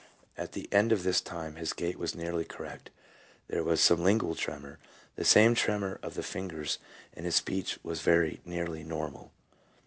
At the end of this time his gait was nearly correct, there was some lingual tremor, the same tremor of the fingers, and his speech was very nearly normal.